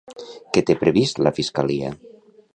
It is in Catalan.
Què té previst la fiscalia?